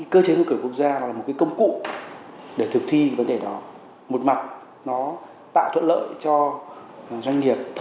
cơ chế một cửa quốc gia là một công cụ để thực thi vấn đề đó một mặt nó tạo thuận lợi cho doanh nghiệp